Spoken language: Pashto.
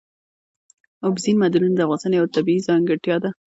اوبزین معدنونه د افغانستان یوه طبیعي ځانګړتیا ده.